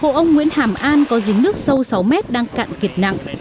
hồ ông nguyễn hàm an có giếng nước sâu sáu mét đang cạn kiệt nặng